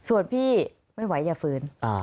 ส่วนพี่ไม่ไหวอย่าฝืน